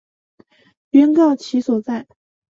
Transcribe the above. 原告其所在！